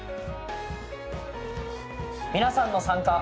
皆さんの参加。